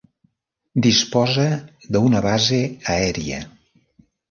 Disposa d'una base aèria.